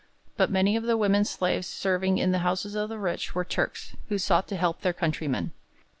But many of the women slaves serving in the houses of the rich were Turks, who sought to help their countrymen.